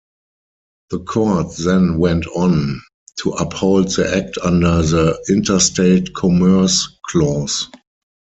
The court then went on to uphold the Act under the Interstate Commerce Clause.